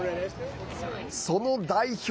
その代表